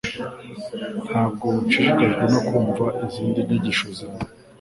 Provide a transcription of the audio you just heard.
Ntabwo nshishikajwe no kumva izindi nyigisho zawe